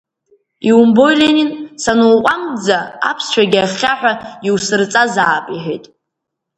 Иумбои, Ленин, сануҟәамҵӡа аԥсшәагьы ахьхьаҳәа иусырҵазаап, — иҳәеит.